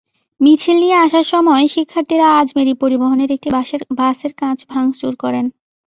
মিছিল নিয়ে আসার সময় শিক্ষার্থীরা আজমেরি পরিবহনের একটি বাসের কাচ ভাঙচুর করেন।